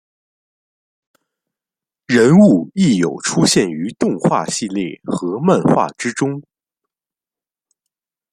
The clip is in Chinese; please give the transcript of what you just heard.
人物亦有出现于动画系列和漫画之中。